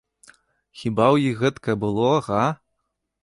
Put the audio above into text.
Хіба ў іх гэткае было, га?